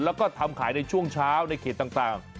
แล้วก็ทำขายในช่วงเช้าในเขตต่าง